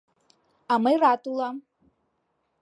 — А мый рат улам!